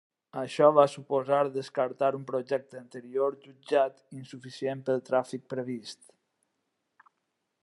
Això va suposar descartar un projecte anterior jutjat insuficient pel tràfic previst.